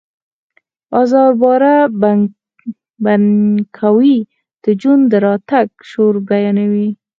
آزر باره بنکوی د جون د راتګ شور بیانوي